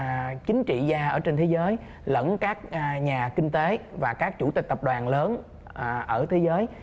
các chính trị gia ở trên thế giới lẫn các nhà kinh tế và các chủ tịch tập đoàn lớn ở thế giới